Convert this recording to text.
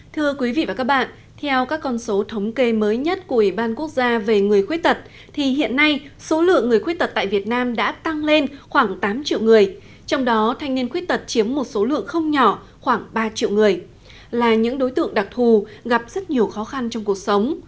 thưa quý vị và các bạn theo các con số thống kê mới nhất của ủy ban quốc gia về người khuyết tật thì hiện nay số lượng người khuyết tật tại việt nam đã tăng lên khoảng tám triệu người trong đó thanh niên khuyết tật chiếm một số lượng không nhỏ khoảng ba triệu người là những đối tượng đặc thù gặp rất nhiều khó khăn trong cuộc sống